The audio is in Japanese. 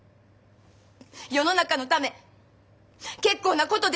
世の中のため結構なことです。